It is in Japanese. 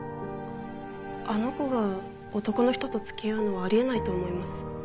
あの子が男の人と付き合うのはあり得ないと思います。